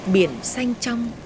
biển xanh trong